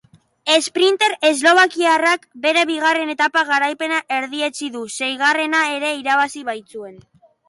Esprinter eslovakiarrak bere bigarren etapa garaipena erdietsi du, seigarrena ere irabazi baitzuen.